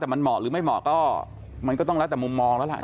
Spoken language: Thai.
แต่มันเหมาะหรือไม่เหมาะก็มันก็ต้องแล้วแต่มุมมองแล้วล่ะ